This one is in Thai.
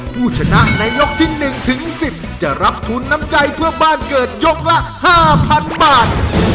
ผู้ชนะในยกที่๑ถึง๑๐จะรับทุนน้ำใจเพื่อบ้านเกิดยกละ๕๐๐๐บาท